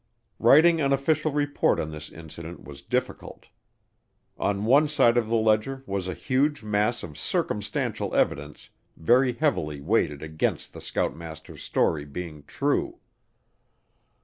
Writing an official report on this incident was difficult. On one side of the ledger was a huge mass of circumstantial evidence very heavily weighted against the scoutmaster's story being true.